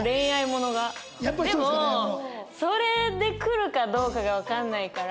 でもそれでくるかどうかがわかんないから。